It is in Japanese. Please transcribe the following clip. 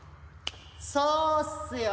そうっすよ！